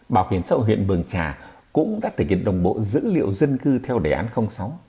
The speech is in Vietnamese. bảo hiểm sâu huyện bường trà cũng đã thực hiện đồng bộ dữ liệu dân cư theo đề án sáu